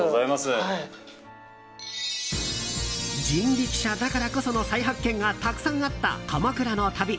人力車だからこその再発見がたくさんあった鎌倉の旅。